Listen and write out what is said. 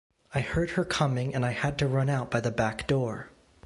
I heard her coming and I had to run out by the back door!